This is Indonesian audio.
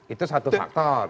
itu satu faktor